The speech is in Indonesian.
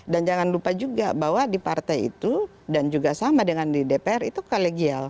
dan jangan lupa juga bahwa di partai itu dan juga sama dengan di dpr itu kolegial